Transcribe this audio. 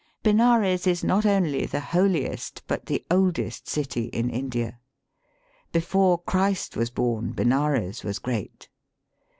Benares is not only the holiest but the oldest city in India. Before Christ was born Benares was great.